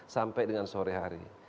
sampai dengan sore hari